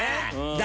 誰？